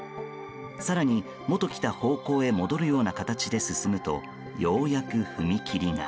更に、もと来た方向へ戻るような形で進むとようやく踏切が。